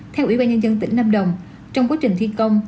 theo ủy ban nhân dân tỉnh lâm đồng trong quá trình thi công